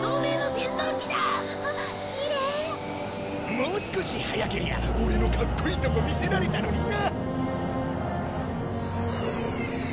もう少し早けりゃオレのかっこいいとこ見せられたのにな！